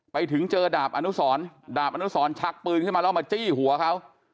ไปเจอดาบอนุสรดาบอนุสรชักปืนขึ้นมาแล้วมาจี้หัวเขา